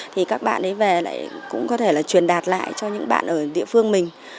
thì các bạn ấy về lại cũng có thể là truyền đạt lại cho những bạn ở địa phương mình